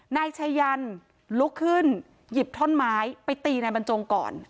นายชายันลุกขึ้นหยิบท่อนไม้ไปตีนายบรรจงก่อน